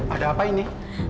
ada apa ini